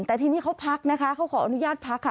แต่ทีนี้เขาพักนะคะเขาขออนุญาตพักค่ะ